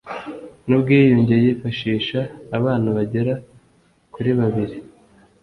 n ubwiyunge yifashisha abana bagera kuribabiri